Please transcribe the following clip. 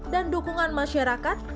dan dukungan masyarakat